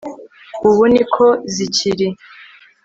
ubu ni ko zikiri